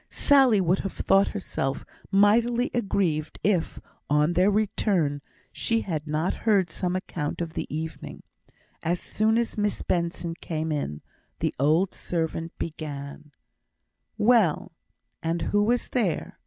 Sally would have thought herself mightily aggrieved if, on their return, she had not heard some account of the evening. As soon as Miss Benson came in, the old servant began: "Well, and who was there?